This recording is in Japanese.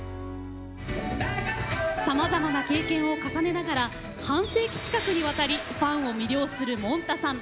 さまざまな経験を重ねながら半世紀近くにわたりファンを魅了するもんたさん。